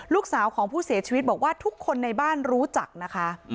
ลูกสาวของผู้เสียชีวิตบอกว่าทุกคนในบ้านรู้จักนะคะ